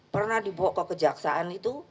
pernah dibawa ke kejaksaan itu